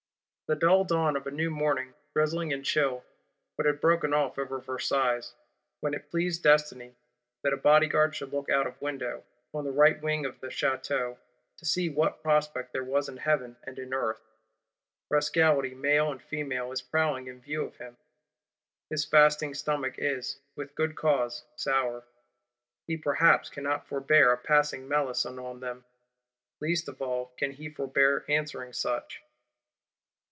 The dull dawn of a new morning, drizzly and chill, had but broken over Versailles, when it pleased Destiny that a Bodyguard should look out of window, on the right wing of the Château, to see what prospect there was in Heaven and in Earth. Rascality male and female is prowling in view of him. His fasting stomach is, with good cause, sour; he perhaps cannot forbear a passing malison on them; least of all can he forbear answering such.